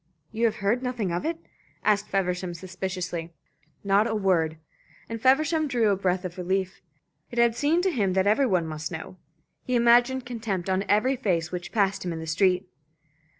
"You have heard nothing of it?" asked Feversham, suspiciously. "Not a word;" and Feversham drew a breath of relief. It had seemed to him that every one must know. He imagined contempt on every face which passed him in the street.